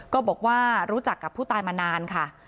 ก็บอกว่ารู้จักกับผู้ตายมานานค่ะ